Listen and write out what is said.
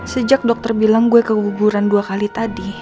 sejak dokter bilang gue keguguran dua kali tadi